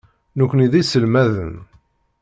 Nekkni d iselmaden.